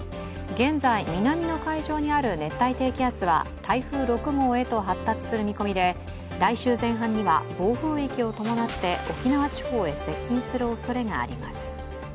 現在、南の海上にある熱帯低気圧は台風６号へと発達する見込みで来週前半には暴風域を伴って沖縄地方に接近するおそれがあります。